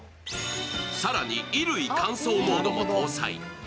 更に衣類乾燥モードも搭載。